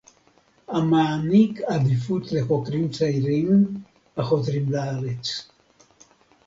המעניק עדיפות לחוקרים צעירים החוזרים לארץ